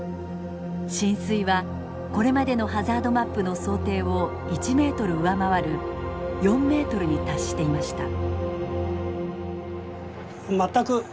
浸水はこれまでのハザードマップの想定を１ｍ上回る４ｍに達していました。